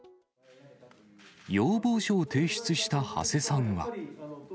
要望書を提出した土師さんは。